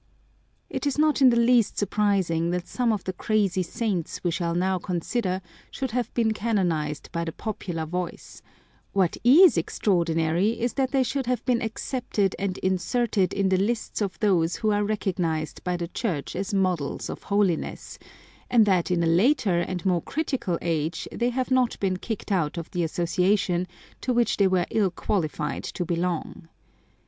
It is not in the least surprising that some of the crazy saints we shall now consider should have been canonised by the popular voice; what is extraordinary is that they should have been accepted and inserted in the lists of those who are recognised by the Church as models of holiness, and that in a later and more critical age they have not been kicked out of the association to which they were ill qualified to belong.